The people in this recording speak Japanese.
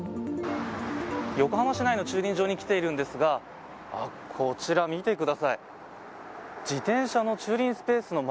横浜市内の駐輪場に来ているんですがこちら、見てください。